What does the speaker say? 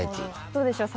どうでしょう？